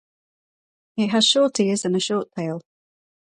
It has short ears and a short tail.